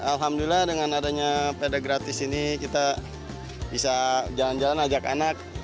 alhamdulillah dengan adanya peda gratis ini kita bisa jalan jalan ajak anak